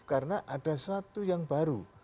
karena ada satu yang baru